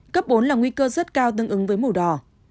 cấp bốn là nguy cơ rất cao tương ứng với màu đỏ